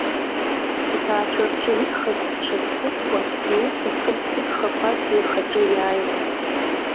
Иҭаацәа рҿы игхаз дшазхәыцуа, иус аҿы игхақәазгьы ихаҿы иааиуан.